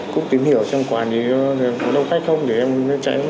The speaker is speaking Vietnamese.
cũng tìm hiểu trong quán ấy có đâu khách không để em chạy